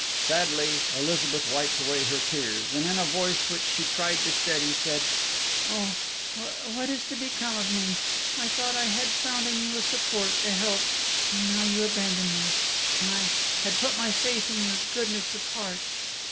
Sadly Elizabeth wiped away her tears, and in a voice which she tried to steady, said: "Oh, what is to become of me! I thought I had found in you a support, a help, and now you abandon me! And I had put my faith in your goodness of heart!...